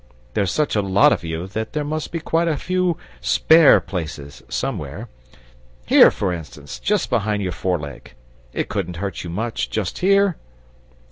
There's such a lot of you that there must be a few SPARE places somewhere. Here, for instance, just behind your foreleg. It couldn't hurt you much, just here!"